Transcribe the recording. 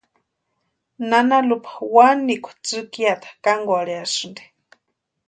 Nana Lupa wanikwa tsïkiata kankwarhiasïnti.